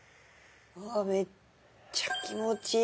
うわめっちゃ気持ちいい。